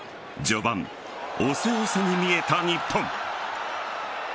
序盤、押せ押せに見えた日本。